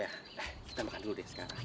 nah kita makan dulu deh sekarang